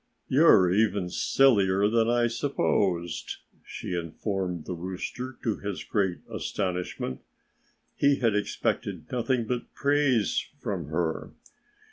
"You're even sillier than I supposed," she informed the rooster, to his great astonishment. He had expected nothing but praise from her.